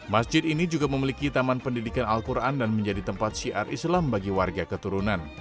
masjid ini juga memiliki taman pendidikan al quran dan menjadi tempat syiar islam bagi warga keturunan